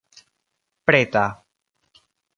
preta